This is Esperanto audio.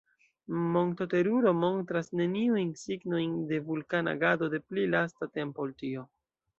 Monto Teruro montras neniujn signojn de vulkana agado de pli lasta tempo ol tio.